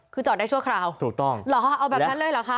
คือจอดได้ชั่วคราวถูกต้องเหรอเอาแบบนั้นเลยเหรอคะ